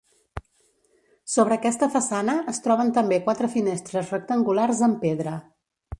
Sobre aquesta façana es troben també quatre finestres rectangulars en pedra.